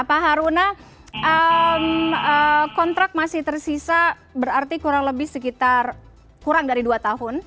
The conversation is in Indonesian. pak haruna kontrak masih tersisa berarti kurang lebih sekitar kurang dari dua tahun